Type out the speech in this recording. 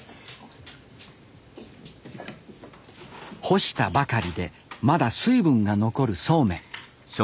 干したばかりでまだ水分が残るそうめん。